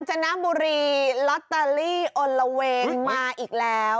จนบุรีลอตเตอรี่อนละเวงมาอีกแล้ว